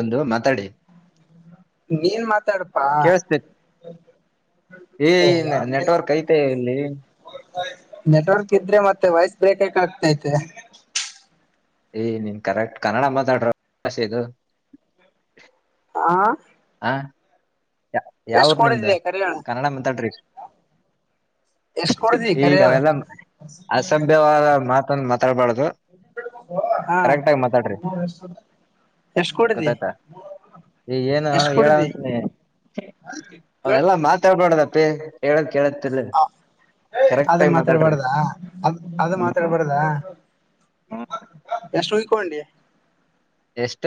ಒಂದು ಮಾತಾಡಿ ನೀನ್ ಮಾತಾಡ್ಪಾ ಏ ಈ ನೆಟ್ವರ್ಕ್ ಐತೆ ಇಲ್ಲಿ ನೆಟ್ವರ್ಕ್ ಇದ್ರೆ ಮತ್ತೆ ವಯಸ್ ಬ್ರೇಕಕ್ ಆಗ್ತೈತೆ ಏ್ ನೀನ್ ಕರೆಕ್ಟ್ ಕನ್ನಡ ಮಾತಾಡ್ರ ಭಾಷೆ ಇದು ಆಾ ಯಾವರು ನಿಮ್ದ ಕೊಡಿದೀಯ ಕರಿ ಹೇಳ ಕನ್ನಡ ಮಾತಾಡ್ರಿ ಎಷ್ಟ್ ಕೊಡಿದಿ ಕರಿ ಈಗ ಹೇಳ ಅವೆಲ್ಲ ಅಸಭ್ಯವಾದ ಮಾತ್ರ ಆರಬಾರ್ದ ಹಾ ಎಷ್ಟ್ ಕೊಡಿದಿ ಗೊತ್ತಾಯ್ತಾ ಏನು ಎಷ್ಟ್ ಹೇಳ ಕೊಡಿದಿ ಅವೆಲ್ಲಾ ಮಾತಾಡ್ ಬೇಡದಪ್ಪಿ ಹೇಳದ ಕೇಳತಿಲ ಅದ ಮಾತಾಡ್ಬಾರ್ದಾ ಅದ್ ಅದು ಹ್ಮ ಮಾತಾಡ್ಬಾರ್ದಾ ಎಷ್ಟು ಊಯಿಕೊಂಡಿ ಎಷ್ಟ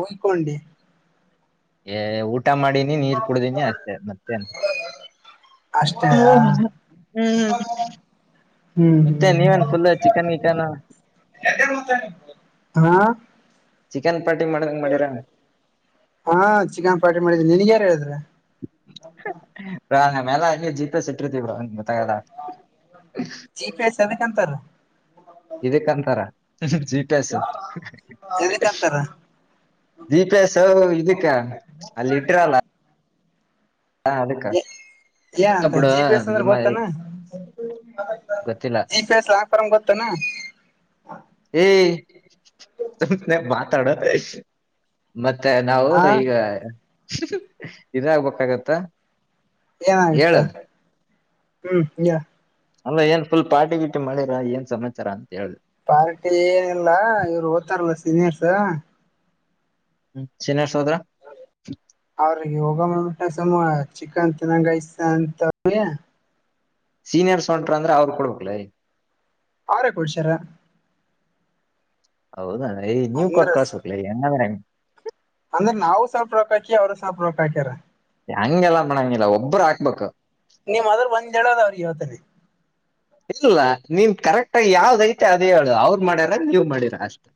ಹುಯ್ಕೊಂಡಿ ಊಟ ಮಾಡಿನಿ ನೀರ್ ಕುಡ್ದನಿ ಅಷ್ಟೆ ಮತ್ತೇನ್ ಅಷ್ಟೇ ಓ ಹ್ಮ್ ಹ್ಮ್ ಮತ್ತೆ ನೀವೇನ್ ಹ್ಮ್ ಫುಲ್ ಚಿಕನ್ ಗಿಕನ್ [unintelligible] ಚಿಕನ್ ಪಾರ್ಟಿ ಮಾಡ್ದಂಗ ಮಾಡಿರ ಹಾ ಚಿಕನ್ ಪಾರ್ಟಿ ಮಾಡಿದ್ದೀನಿ ನಿನ್ಗ್ ಯಾರು ಹೇಳಿದ್ರ [inaudible] ಆ ಮೇಲೆ ಇನ್ನ ಜಿ ಪಿ ಎಸ್ ಇಟ್ಟಿರ್ತೀವ್ರ ಗೊತ್ತಾಗಲ್ಲ ಜಿ ಪಿ ಎಸ್ ಎದಕ್ಕಂತಾರ ಇದಕ್ಕಂತಾರ ಜಿ ಪಿ ಎಸ್ ಎದಕ್ಕಂತಾರ ಜಿಪಿಎಸ್ ಇದಕ್ಕ ಅಲ್ಲಿ ಇಟ್ಟ್ರಲ್ಲ ಏ ಅಂತ ಬಿಡು ಜಿ ಪಿ ಎಸ್ ಅಂದ್ರೆ ನಿಮ್ಮ ಗೊತ್ತಾನ ಗೊತ್ತಿಲ್ಲ ಜಿ ಪಿಸ್ ಲಾಂಗ್ ಫಾರ್ಮ್ ಗೊತ್ತೇನು ಏ ಮಾತಾಡೋ ಮತ್ತ ಮತ್ತೆ ನಾವು ಹಾ ಈಗ ಇದಾಗಬೇಕಾಗತ್ತಾ ಏನಾಗತ್ತ ಹ್ಮ್ ಹೇಳ ಅಲ್ಲ ಏನ್ ಫುಲ್ ಪಾಟಿ ಗಿಟಿ ಮಾಡಿರಾ ಏನ್ ಸಮಾಚಾರ ಅ ಪಾರ್ಟಿ ಏನಲ್ಲಾ ಇವ್ರು ಓ್ತಾರಲ್ಲ ಸೀನಿಯರ್ಸ್ [unintelligible] ಅವ್ರಿಗೆ ಹೋಗ ಚಿಕನ್ ತಿನ್ನ ಗಾಯಸ್ ಅಂತ ಸೀನಿಯರ್ಸ್ ಹೊಂಟ್ರ ಅಂದ್ರ ಅವ್ರರು ಕೊಡ್ಬೇಕಕ್ಲೈ ಅವ್ರೆ ಕೊಡ್ಸಾರ ಹೌದ ನೀವ್ ಅಂದ್ರ ಕೊಟ್ಟು ಕಳ್ಸ್ಬೇಕಲೆ ಹೆಂಗದ್ರೆ ಅಂದ್ರೆ ನಾವು ಸ್ವಲ್ಪ ರೊಕ್ಕ ಹಾಕಿ ಅವ್ರು ಸ್ವಲ್ಪ ರೊಕ್ಕ ಹಕ್ಯಾರ ಹೆಂಗೆಲ್ಲ ಮಾಡಗಿಲ್ಲ ಒಬ್ಬರು ಹಾಕ್ಬೇಕು ನಿಮ್ ಅದ್ರ ಒಂದ್ಡದ ಅವ್ರ ಇವತ್ತನ [unintelligible] ಇಲ್ಲ ನಿಮ ಕರೆಕ್ಟ್ ಆಗಿ ಯಾವ್ದಐತಿ ಅದ ಹೇಳು ಅವ್ರ ಮಾಡ್ಯಾರ ನೀವ್ ಮಾಡಿರ ಅಷ್ಟು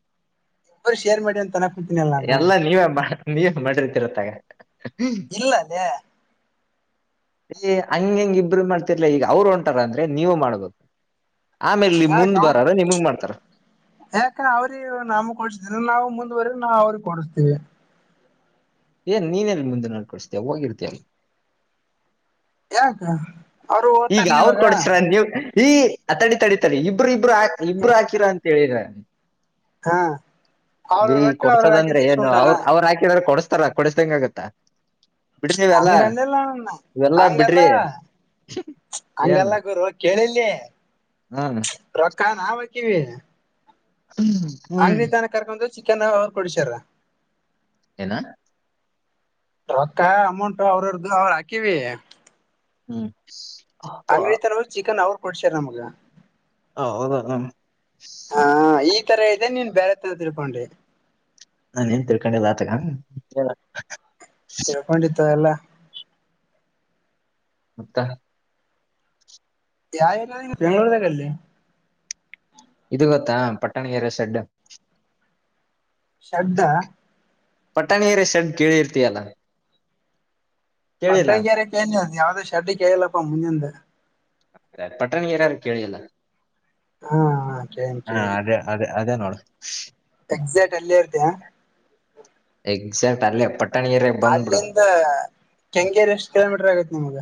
ಇಬ್ಬರು ಶೇರ್ ಮಾಡಿ ಅಂತನ ಕುತೀನಿಲ್ಲ ನಾನು ನೀ ಮಾಡ್ರಿತಿರತ್ತಾಗ ಇಲ್ಲ ಅದೇ ಏ ಹಂಗ ಹೆಂಗ ಇಬರು ಮಾಡ್ತಿರ್ಲ ಈಗ ಅವ್ರು ಹೊಂಟಾರ ಅಂದ್ರೆ ನೀವು ಮಾಡ್ಬ [inaudible] ಯಾಕ ಅವರು ಯಾಕ ಅವ್ರೀ ನಮಿಗೆ ಕೊಡಿಸಿದ್ರು ನಾವು ಮುಂದುವರೆ ನಾವ್ ಅವ್ರಿಗೆ ಕೊಡಿಸ್ತೀವಿ ಏ ನೀನೆ ಎಲ್ಲಿ ಮುಂದಿನ ವಾರ ಕೋಡ್ಸ್ತ್ಯ ಹೋಗಿರ್ತ ಯಾಕ. ಅವರು ಈಗ ಓದ್ತಾರ್ಲಿ ಅವ್ರ ಇವಾಗ ಕೊಡ್ಸ್ರ ನೀವ್ ಈ ಅ ತಡಿ ತಡಿ ಇಬ್ರು ಇಬ್ರುಕ್ ಇಬ್ರು ಹಾಕಿರ ಅಂತ ಹೇಳಿದ್ರ ಹ ಅವ್ರ ಲೆ ರೊಕ್ಕ ಅವ್ರ ಕೊಡ್ಸದಂದ್ರೆ ಹಾಕಂದ ಇಷ್ಟ ಏನು ಉಂಟಾರ ಅವ್ರ ಅವ್ರು ಹಾಕಿದ್ರ ಕೊಡ್ಸ ಕೊಡಿಸ್ದಂಗ ಆಗತ್ತಾ [unintelligible] ಹಂಗಲ್ಲ ಬಿಡ್ರಿ ಏನ್ ಹಂಗಲ್ಲ ಗುರು ಕೇಳಿಲ್ಲ ಹ್ಮ್ ರೊಕ್ಕ ನಾವ ಹಾಕಿದೀವಿ ಹ್ಮ್ ಅಂಗಡಿ ತಾನ ಕರ್ಕೊಂಡ ಚಿಕ್ಕನ್ ಅವರು ಕೊಡಶಾರ ಏನು ರಕ್ಕ ಅಮೌಂಟ್ ಅವರದ್ದು ಅವ್ರ ಹಾಕಿವಿ ಹ್ಮ ಆಂಗ್ರಿತರೋರ್ ಚಿಕನ್ ಅವ್ರ ಕೊಡ್ಸ್ಯಾರ್ ನಮುಗ. ಹೌದಾನೂ ಈ ತರ ಇದೆ ನೀನ್ ಬ್ಯಾರೆ ತರ ತಿಳ್ಕೊಂಡಿ. ನಾನ್ ಎನ್ ತಿಳ್ಕೊಂಡಿಲ್ಲ ಆತಗ ತಿಳ್ಕೊಂಡಿತೋ ಎಲ್ಲಾ. ಮತ್ತ. ಯಾ ಏರಿಯ ಬೆಂಗಳೂರಗಲ್ಲಿ. ಇದು ಗೊತ್ತಾ ಪಟ್ಟಣಗೆರೆ ಸೆಡ್. ಶೆಡ್ಡಾ. ಪಟ್ಟಣಗೆರೆ ಶೆಡ್ಡ ಕೇಳ ಇರ್ತಿಯಲ್ಲ. ಪಟ್ಟಣಗೆರೆ ಕೇಳಿನಿ ಅದು ಯಾವದೋ ಶೆಡ್ಡ ಕೇಳಿಲ್ಲಪಾ ಮುಂದಿದ. ಅಂದ್ರೆ ಪಟ್ಟಣಗೆರೆರಾ ಕೇಳಿ ಇಲ್ಲ. ಹಾ ಕೇಳಿನಿ ಹಾ ಕೇಳಿನಿ ಅದೇ ಅದೇ ಅದೇ ನೋಡ. ಎಕ್ಸಾಕ್ಟ್ ಅಲ್ಲೆ ಇರ್ತೀಯ. ಎಕ್ಸಾಕ್ಟ್ ಅಲ್ಲೆ ಪಟ್ ಅಲ್ಲಿಂದ ಕೆಂಗೇರಿ ಎಷ್ಟ್ ಕಿಲೋಮೀಟರ್ ಆಗತ್ತ ನಿಮ್ಗ.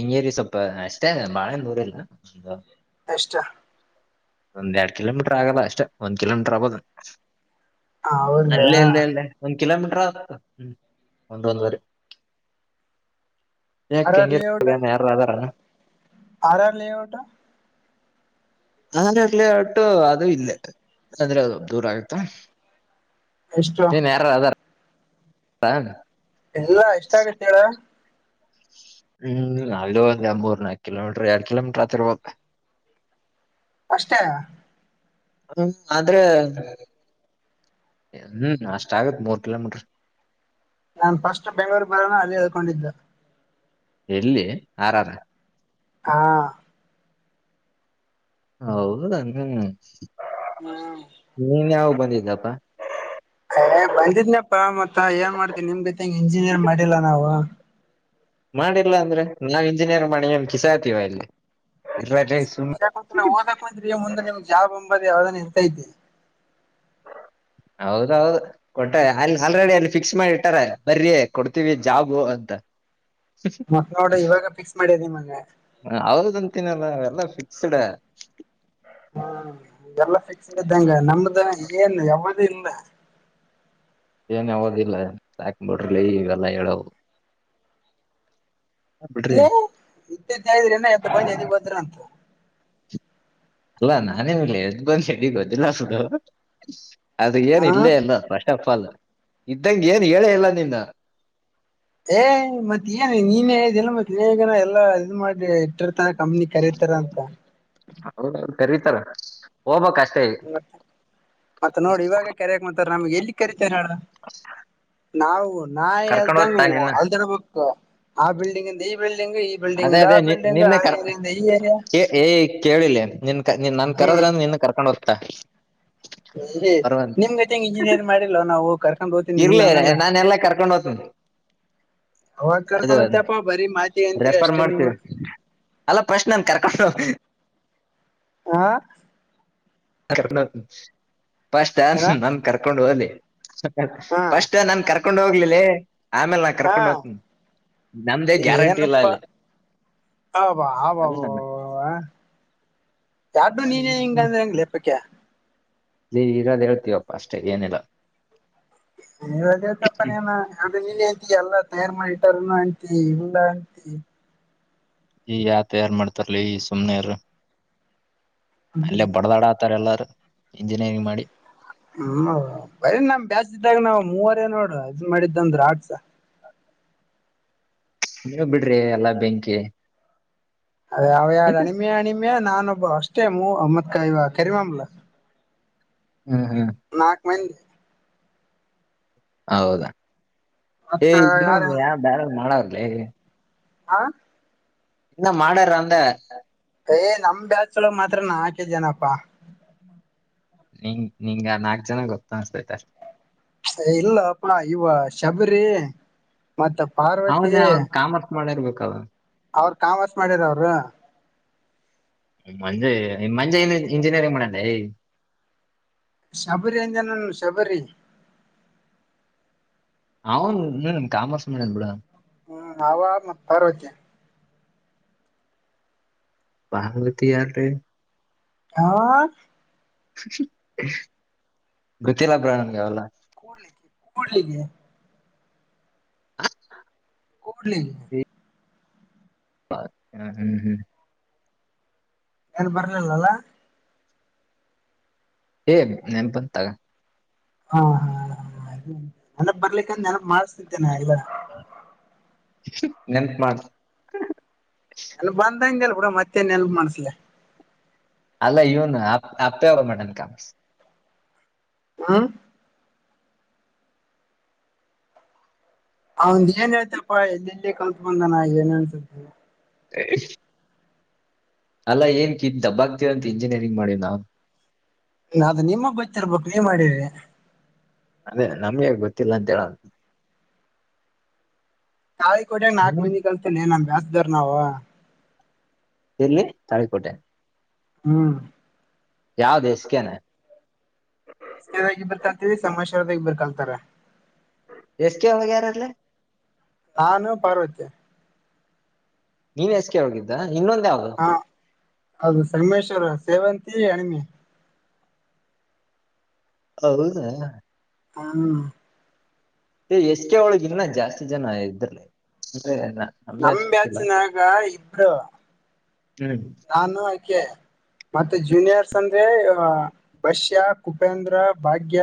ಕೆಂಗೇರಿ ಸ್ವಲ್ಪ ಅಷ್ಟೇ ಬಾಳ ಎನ್ ದೂರಿಲ್ಲ ಒಂದ ಎಷ್ಟಾ. ಒಂದ್ ಎರಡ್ ಕಿಲೋಮೀಟ್ರ ಆಗಲ್ಲ ಅಷ್ಟೇ ಒಂದ್ ಕಿಲೋಮೀಟರ್ ಆಬೊದ. ಹೌದಾ ಅಲ್ಲೆಲ್ಲೆಲ್ಲೆ ಕುಂತ. ಕಲೋಮೀಟರ ಅದ ಅದು ಹ್ಮ್ ಒಂದು ಒಂದುವರಿ ಏ ಆರ್ ಆರ್ ಕೆಂಗೇರ ಲೇಔಟ್ ಅಲ್ ಎನ್ ಯಾರ ಅದರನ. R R layout. R R layout ಅದು ಇಲ್ಲೆ ಅಂದ್ರ ದೂರ ಆಗತ್ತಾ ಎಷ್ಟು ಏನ್ ಯಾರ ಅದಾರ. ತಾಂಗ್. ಇಲ್ಲಾ ಇಸ್ಟ ಬಿತ್ಯರ. ಹ್ಮ್ ಅಲ್ಲೂ ಒಂದು ಮೂರ್ ನಾಕ್ ಕಿಲೋಮೀಟರ್ ಎರಡು ಕಿಲೋಮೀಟರ್ ಆತಿರ್ಬೇಕ್. ಅಷ್ಟೆ ಯಾ. ಅದುನ್ ಆದ್ರೆ ಏ ಹ್ಮ್ ಅಷ್ಟ ಆಗತ್ ಮೂರ್ ಕಿಲೋಮೀಟರ್. ನಾನ್ ಫಸ್ಟ್ ಬೆಂಗ್ಳೂರ್ ಬರನ ಅಲ್ಲೆ ಈಳ್ಕೊಂಡಿದ್ದ. ಎಲ್ಲಿ ಆರಾರ. ಹಾ ಹೌದನ. ಹ್ಮ ಬಂದಿದನಪ್ಪ. ಏ ಬಂದಿದ್ನಪ್ಪ ಮತ್ತ ಏನ್ ಮಾಡ್ತಿ ನಿಮ್ ಗತೆ ಇಂಜಿನಿಯರ್ ಮಾಡಿಲ್ಲ ನಾವು. ಮಾಡಿಲ್ಲಾ ಅಂದ್ರೆ ನಾವ್ ಇಂಜಿನಿಯರ್ ಮಾಡಿ ಕಿಸ್ಯತಿವ ಇಲ್ಲಿ. ಇರ್ಲಾರ್ದೆ ಸುಮ್ [unintelligible] ಓದಕ್ ಕುಂತ್ರಿ ಮುಂದ ನಿಮ್ಗ್ ಜಾಬ್ ಅಂಬದ ಯಾವದಾನ ಇರ್ತೈತಿ. ಹ ಹೌದೌದು ಕೊಟ್ಟ ಅಲ್ ಆಲ್ರೆಡಿ ಅಲ್ಲಿ ಫಿಕ್ಸ್ ಮಾಡಿ ಇಟ್ಟಾರ ಬರ್ರಿ ಕೊಡ್ತೀವಿ ಜಾಬು ಅಂತ. ಹ್ ಮತ್ ನೋಡ ಹ್ ಇವಾಗ ಫಿಕ್ಸ್ ಮಾಡ್ಯದ ನಿಮಗ ಹ ಅವರ್ದ ಒಂದ್ ತಿನ್ನಲ್ಲ ಎಲ್ಲ ಫಿಕ್ಸ್ಡ್. ಹ್ಮ್ ಎಲ್ಲ ಫಿಕ್ಸ್ಡ್ ಇದ್ದಂಗ ನಮ್ದ ಏನ್ ಯಾವದೂ ಇಲ್ಲ. [inaudible] ಏನ್ ಯಾವದಿಲ್ಲ ಸಾಕ್ ಬಿಡ್ರಲೆ ಇವೆಲ್ಲ ಹೇಳವು. ಬಿಡ್ರಿ ಏ ಇದ್ದದ ಹೇಳಿದ್ರೇನೋ ಎದ್ದ ಬಂದ ಏದೀಗ್ ವದ್ರಾ ಅಂತ. ಅಲ್ಲಾ ನಾನೇ ಮೇಲೆ ಎದ್ದ್ ಬಂದ್ ಹೆಡಿ ಗೊದಿಲ್ಲಸುದು ಅದು ಏನ್ ಹ ಇಲ್ಲೇ ಇಲ್ಲ ಫಸ್ಟ್ ಆಫ್ ಆಲ್ ಇದ್ದಂಗಗೆ ಏನ್ ಹೇಳೇ ಇಲ್ಲ ನಿನ್ನ ಏ್ ಮತ್ತತ್ ಏನ್ ನೀನ್ ಹೇಳಿದೆಲ್ಲ ಮತ್ ಬೇಗನ ಎಲ್ಲಾ ಇದ ಮಾಡಿ ಇಟ್ಟಿರ್ತ ಕಮ್ಮನಿ ಕರೀತಾರ ಅಂತ ಹೌದ ಕರೀತಾರ ಹೋಗ್ಬಕ್ ಅಷ್ಟ ಮತ್ತೆ ನೋಡಿ ಇವಾಗ ಕೆರೆೆಯಕ್ ಮಂತಾರೆ ನಮ್ಗೆ ಎಲ್ಲಿ ಕೆರೆ ಮ ನ ನಾವು ನಾ ಕರ್ಕೊಂಡ್ ಎಲ್ದಂಗ ಹೋಗ್ತಾ ನಿನ್ನ ಅಲ್ದಡ್ಬೇಕಕ್ ಆ ಬಿಲ್ಡಿಂಗ್ ಅಂದ ಅದೇ ಅದೇ ನಿ ನಿನ್ನೆ ಕರ್ ಏರಿಯಿಂದ ಈ ಏರಿಯಾ ಕೇಳಿಲ್ಲ ನಿನ್ ನೀನ್ ನನ್ ಹ್ಮ್ ಕರೋದ್ರಂದ ನಿನ್ನ ಕರ್ಕೊಂಡ್ ಹೋಗ್ತಾ ನಿಮ್ ಗತ್ತ ಹೆಂಗ ಇಂಜಿನಿಯರ್್ ಮಾಡಿಿಲ್ಲವ ನಾವು ಹೋಗಕರ್ ಇರ್ಲ ನಾನ ಎಲ್ಲ ಕರ್ಕೊಂಡ್ ಹ್ತನೆಿ ಅವಾಗ ಅದ ಕರ್ಕೊಂಡ್ ಹೋಗ್ತಪ್ಪಾ ಬರೀ ಮಾತಿ ಅಂತೀರಿ ರೆಫರ್ ಅಷ್ಟೇ ನೀವು ಮಾಡ್ತೀವಿ ಅಲ್ಲ ಫಸ್ಟ್ ಅಂತ ಕರ್ಕೊಂಡು ಹೋಗಿ ಆ ೊಂಡ ಷ್ಟ ಏನ ನನ್ ಕರ್ಕೊಂಡು ಹೋಗಲಿ ಹ ಪಸ್ಟ್ ನನ್ ಕರ್ಕೊಂಡ್ ಹೋಗ್ಲಿಲ್ಲ ಆಮೇಲೆ ನಾ ಹಾ ಕರ್ಕೊಂಡ್ ಹೋಗ್ತೀನಿ ನಮ್ದೇ ಗ್ಯಾರಂಟಿ ಇಲ್ಲ ಅಲ್ಲಿ ಹಬ ಅ ಬ ಅಲ್ಲ ಬ ನನ್ನ ಬ ಯಾರ್ಡು ನೀನೇ ಹಿಂಗ ಅಂದ್ರೆ ಹೆಂಗ್ ಲೇಪಕ ನೀ ಇರೋದ್ ಹೇಳ್ತೀವಪ್ಪಾ ಅಷ್ಟೇ ಏನಿಲ್ಲ ವ ತಪ್ಪನೇನ ಅ್ರ ನೀನ ಎಲ್ಲ ತಯಾರು ಮಾಡಿ ರಣ ಆಂಟಿ ಇಲ್ಲ ಆಂಟಿ ಈ ಆತ ಯಾರ್ು ಮಾಡ್ತರ್ಲಿ ಈ ಸುಮ್ನೆಾರ ಹ್ಮ್ ಅಲ್ಲೇ ಬಡದಾಡ ಇತಾರೆ ಎಲ್ಲಾರು ಇಂಜಿನಿಯರಿಂಗ್ ಮಾಡಿ ಹ್ಮ ಬರಿ ನಮ್ ಬ್ಯಸ್್ದಾಗ ನಾವ್ ಮೂವರ ನೋಡ್ರ ಅದ್ ಮಾಡಿದ್ದ ಅಂದ್ರ ಆಡ್ಸ ನೀವ ಬಿಡ್ರಿ ಎಲ್ಲಾ ಬೆಂಕಿ ಅದ ಯಾವ ಯಾರ ಅಣಿಮೆಯ ಹಣಿಮೆಯ ನಾನೊಬ್ಬ ಅಷ್ಟೇ ಮೂ ಅಮ್ಮತ್ಕ ಇವ ಕರಿಮಮಲ ಹ್ಮ್ ಹ್ಮ್ ಒಂದ ಹೌದಾ ಏ ಮತ್ತ ಇನ್ನೊ ಯಾರ ಯಾವ ಬ್ಯಾರ ಮಾಡವರ್ಲಿ ಹಾ ಇನ್ನ ಮಾಡರ ಅಂದೆ ಏ್ ನಮ್ ಬ್ಯಾಚ್ಳಗ್ ಮಾತ್ರ ನಾಕ ಜನಪ್ಪಾ ನಿಂಗ ನಿಂಗ ನಾಕ್ ಜನ ಗೊತ್ತ ಅನ್ಸ್ತೈತಷ್ಟ ಇಲ್ಲಪ್ಪ ಇವ ಶಬರಿ ಮತ್ತ ಪಾರ್ವತಿ ಅವನ್ ಅವನ್ ಕಾಮರ್ಸ್ ಮಾಡಿರ್ಬೇಕ ಅವ ಅವರು ಕಾಮಸ್ ಮಾಡಿದರ ಅವರು ಮಂಜೆ ಮಂಜೆ ಇಂಜಿನಿಯರಿಂಗ್ ಮಾಡ ಶಬರಿಯಿಂದ ನ ಶಬರಿ ಅವನು ನನ್ ಕಾಮರ್ಸ್ ಮಾಡಲ್ ಬಿಡ ಹ್ಮ್ ನಾವ ಮತ್ತರವಜ ಬಂಬತಿ ಆಾರ [unintelligible] ಹಾ ಗೊತ್ತಿಲ್ಲ ಬ್ರೋ ನಂಗ್ ಅವೆಲ್ಲ ಕೂಡ್ಲಿಕ್ಕೆ ಕೂಡ್ಲಿಕ್ಕೆ ಹ ಕೂಡ್ಲಿ ಹಾ ಹ್ಮ್ ಹ್ಮ್ ಯಾರು ಬರ್ಲಿಲ್ಲಲ್ಲ ಏ ನೆನ್ಪ್ಗ್ ತಗ ಹಾ ಹಾ ಹಾ ಅದ ನನ ಬರ್ಲಿಕ್ಕಂತ ನೆನಪ ಮಾಡಿಸತಿದ್ದೇನೆ ಎಲ್ಲಾ ನೆನ್ಪು ಮಾಡ. ಅ ಬಂದಂಗಲ್ ಕೂಡ ಮತ್ತೆನ ನೆನಪ ಮಾಡ್ಸಲಿ. ಅಲ್ಲ [unintelligible] ಹಾ ಅವಂದ ಏನ್ ಹೇಳ್ತಪ್ಪಾ ಎಲ್ಲಿ ಎಲ್ಲಿ ಕತ್ ಬಂದಾನ ಏನ್ ಅಸತಿ. [inaudible] ಅಲ್ಲಾ ಏನ್ ಕಿ ದಬ್ಬ ಆ್ತವಂತ ಇಂಜಿನಿಯರಿಂಗ್ ಮಾಡಿನಾ. ಅದು ನಿಮ್ಮಗ್ ಬತ್ತಿರ್ಬೇಕು ನೀವ್ ಮಾಡಿದಿ. ಅದೇ ನಮ್ಗೆ ಗೊತ್ತಿಲ್ಲ ಅಂತ ಹೇಳ. ಕಾಳಿ ಕೊಟ್ಯಾಗ ನಾಕು ಮಂದಿಗೆ ಕಲ್ತಲ್ಲ ನಮ್ ಬ್ಯಾಚ್ ದಾವರ್ ನಾವು. ಎಲ್ಲಿ ತಾಳಿಕೋಟಿ. ಹ್ಮ್ ಯಾವ ದಸಕ್ಯನೆ. ರಸದಾಗಿ ಬರ್ಕಂತರಿ ಸಮಾಚಾರದಾಗಿ ಬರ್ಕೊಂತಾರೆ. ಎಸ್ಕೂ ವರಲ್ಲ. ನಾನು ಪಾರ್ವತ್ಯ. ನೀನ್ ಎಸ್ ಕೆ ಹೋಗಿದ್ದ. ಇನ್ನೊಂದ್ ಯಾವ್ದು ಹಾ ಅದು ಸಂಮೇಶ್ವರ ಸೇವಂತಿ ಹೆಣಮೆ. ಹೌದಾ [unintelligible] ಎಸ್ ಕೆ ಒಳಗ ಇನ ಜಾಸ್ತಿ ಜನ ಇದ್ರಲಿ. ನಮ್ಗೆ ನಮ್ಮ ಅಷ್ಟ್ ಗೊತ್ತಿಲ್ಲ ಬ್ಯಾಚಿನಾಗ ಇಬ್ರು. ಹ್ಮ್ ನಾನು ಆಕೆ ಮತ್ತೆ. ಮ ಜೂನಿಯರ್ಸ್ ಅಂದ್ರೆ ಬಷ್ಯ ಕುಪೇಂದ್ರ ಭಾಗ್ಯ.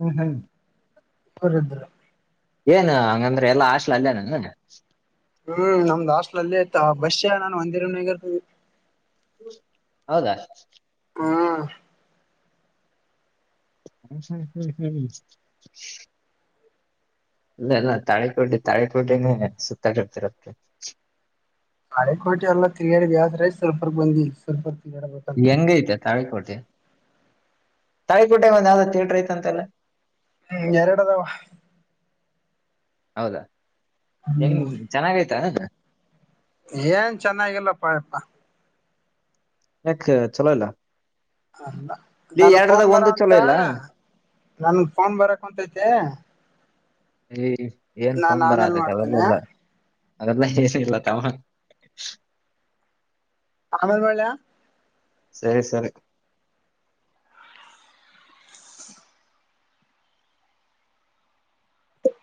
ಹ್ಮ್ ಹ್ಮ್ [unintelligible] ಏನು ಹಂಗಂದ್ರ ಎಲ್ಲಾ ಆಶಲ ಅಲ್ಲೇ ನನ್ ಹ್ಮ್ ನಮ್ದ್ ಹಾಸ್ಟ್ಲ್ ಅಲ್ಲಿ ಆಯತ ಬಸ್ ನಾನು ಒಂದಿರ ಹಗರ್ತಿ. ಹೌದಾ ಹಾ ಹ್ಮ ಹ್ಮ್ ಹ್ಮ್ ಹ್ಮ್ ಇಲ್ಲ ತಾಳೆ ಕೋಟಿ ತಾಳೆ ಕೋಟಿ ಸಾ [unintelligible] ನಾಳೆ ಕೋಟಿ ಅಲ್ಲ ತಿರಿಗಾಡಿ ವ್ಯಾಸ್ರ ಸ್ವಲ್ಪರ್ ಬಂದಿ ಸ್ವಲ್ಪ. ಹೆಂಗೈತೆ ತಾಳ ಕೋಟೇ. ತಾಯಿಕೋಟೆ ಒಂದ ಯಾವ್ದ ತೇಡ್ರಐತಂತೆಲ್ಲ. ಹ್ಮ್ ಎರಡದಾವ. ಹೌದಾ ಹೆಂಗ ಹ್ಮ್ ಚೆನ್ನಾಗಯ್ತಾ. ಏನ್ ಚೆನ್ನಾಗಿಲ್ಲಪ್ಪ ಯಪ್ಪಾ. ಯಾಕ ಚಲೋ ಇಲ್ಲ. ಹ ಇಲ್ಲಿ ನನ್ ಫೋನ್ ಎರಡರದಾಗ ಬರೋ ಒಂದು ಅಂತ. ಚಲೋ ಇಲ್ಲ ನನ್ ಫೋನ್ ಬರಕ್ ಹೊಂತೈತೆ. ಏ ಏನ್ ಫೋನ್ ಆಮೇಲ್ ಬರದ ಮಾಡ್ತೇನೆ ಕಲಲ್ಲೆಲ್ಲ. ಅದೆಲ್ಲ ಏನ ಇಲ್ಲ ತಾವ. ಅಮಲ್ ಮಾಡಳಯಾ. ಸರಿ ಸರಿ.